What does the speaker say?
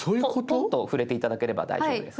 ポンと触れて頂ければ大丈夫です。